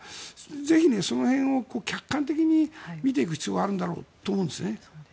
ぜひ、その辺を客観的に見ていく必要があるんだろうと思うんですよね。